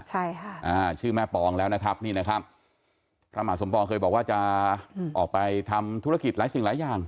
ใช่ค่ะอ่าชื่อแม่ปองแล้วนะครับนี่นะครับพระมหาสมปองเคยบอกว่าจะออกไปทำธุรกิจหลายสิ่งหลายอย่าง